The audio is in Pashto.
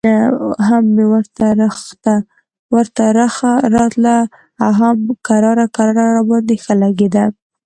هم مې ورته رخه راتله او هم کرار کرار راباندې ښه لګېده.